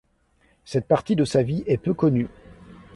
Cette partie de sa vie est peu connue.